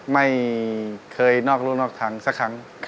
ไม่เคยนอกรู่นอกทางสักครั้ง